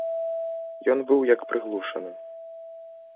Ён быў як прыглушаны.